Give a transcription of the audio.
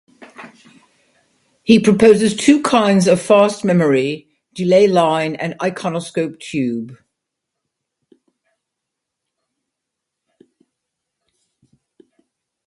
He proposes two kinds of fast memory, delay line and Iconoscope tube.